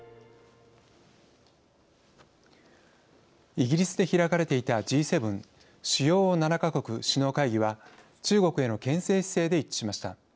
イギリスで開かれていたＧ７＝主要７か国首脳会議は中国へのけん制姿勢で一致しました。